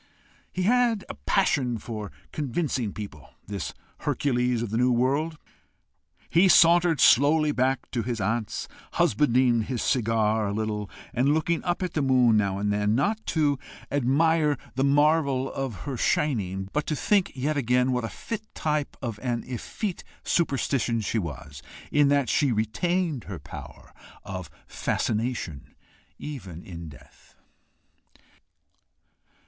He had a passion for convincing people, this Hercules of the new world. He sauntered slowly back to his aunt's, husbanding his cigar a little, and looking up at the moon now and then, not to admire the marvel of her shining, but to think yet again what a fit type of an effete superstition she was, in that she retained her power of fascination even in death.